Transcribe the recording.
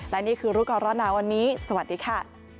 และนี่คือรูปกรณ์รอดน้ำวันนี้สวัสดีค่ะ